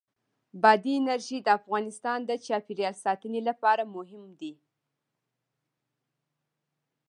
بادي انرژي د افغانستان د چاپیریال ساتنې لپاره مهم دي.